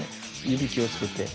指気をつけて。